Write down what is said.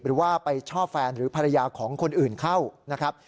หรือว่าไปชอบแฟนหรือภรรยาของคนอื่นเข้านะครับ